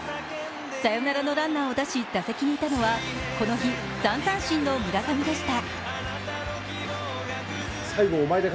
サヨナラのランナーを出し打席にいたのはこの日、３三振の村上でした。